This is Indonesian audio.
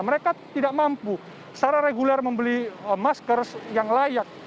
mereka tidak mampu secara reguler membeli masker yang layak